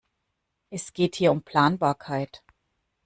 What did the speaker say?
Es geht hier um Planbarkeit.